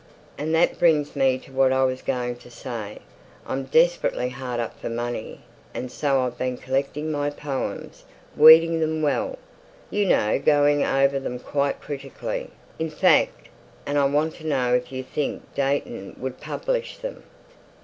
And that brings me to what I was going to say. I'm desperately hard up for money, and so I've been collecting my poems weeding them well, you know going over them quite critically, in fact; and I want to know if you think Deighton would publish them.